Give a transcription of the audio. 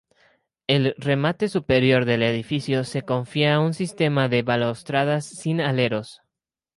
El remate superior del edificio se confía a un sistema de balaustradas sin aleros.